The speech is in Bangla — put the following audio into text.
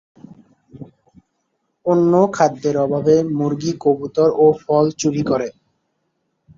অন্য খাদ্যের অভাবে মুরগি-কবুতর ও ফল চুরি করে।